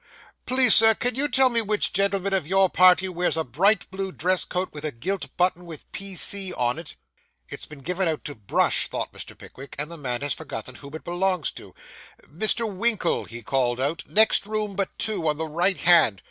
'Please, sir, can you tell me which gentleman of your party wears a bright blue dress coat, with a gilt button with "P. C." on it?' 'It's been given out to brush,' thought Mr. Pickwick, 'and the man has forgotten whom it belongs to.' Mr. Winkle,' he called out, 'next room but two, on the right hand.